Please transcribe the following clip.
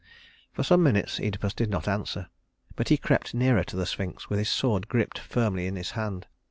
For some minutes Œdipus did not answer, but he crept nearer to the Sphinx, with his sword gripped firmly in his hand.